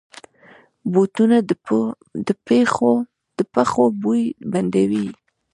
بوټونه د پښو بوی بندوي.